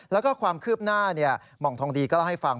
แล้วก็ความคืบหน้าหม่องทองดีก็เล่าให้ฟัง